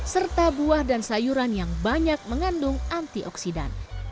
serta buah dan sayuran yang banyak mengandung antioksidan